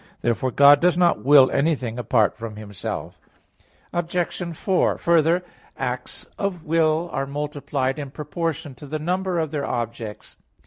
Therefore God does not will anything apart from Himself. Obj. 4: Further, acts of will are multiplied in proportion to the number of their objects.